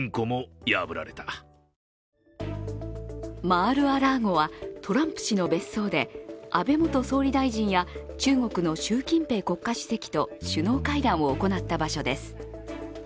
マール・ア・ラーゴはトランプ氏の別荘で、安倍元総理や中国の習近平国家主席と首脳会談を行った場所です。